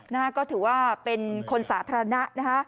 นะฮะก็ถือว่าเป็นคนสาธารณะนะฮะ